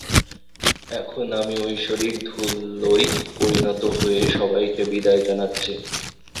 এখন আমি ঐশ্বরিক ধূলোয় পরিণত হয়ে, সবাইকে বিদায় জানাছি।